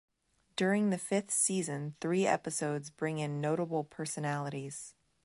During the fifth season three episodes bring in notable personalities.